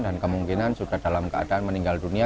dan kemungkinan sudah dalam keadaan meninggal dunia